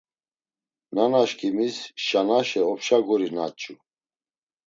Nanaşǩimis Şanaşe opşa guri naç̌u.